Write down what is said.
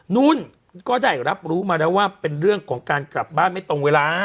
นุ่นก็ได้รับรู้มาแล้วว่าเป็นเรื่องของการกลับบ้านไม่ตรงเวลา